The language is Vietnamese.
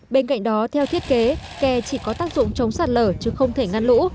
bên cạnh đó theo thiết kế kè chỉ có tác dụng chống sạt lở chứ không thể ngăn lũ